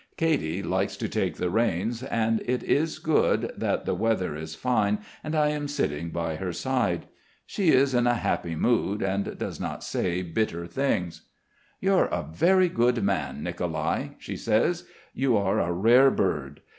Katy likes to take the reins, and it is good that the weather is fine and I am sitting by her side. She is in a happy mood, and does not say bitter things. "You're a very good man, Nicolai," she says. "You are a rare bird.